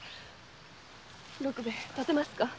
六兵衛立てますか？